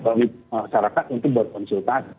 bagi masyarakat untuk berkembang